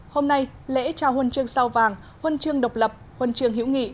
hôm nay lễ trao huân chương sao vàng huân chương độc lập huân chương hữu nghị